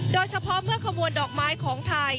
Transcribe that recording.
โดยเฉพาะเมื่อขบวนดอกไม้ของไทย